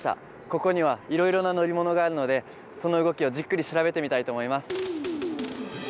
ここにはいろいろな乗り物があるのでその動きをじっくり調べてみたいと思います。